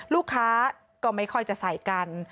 ลูกค้าก็ไม่ค่อยจะใส่กัน